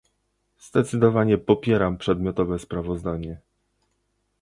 Zdecydowanie popieram przedmiotowe sprawozdanie